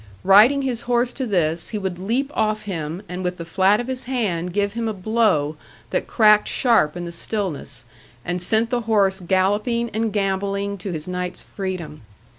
Riding his horse to this, he would leap off him, and with the flat of his hand give him a blow that cracked sharp in the stillness and sent the horse galloping and gambolling to his night's freedom.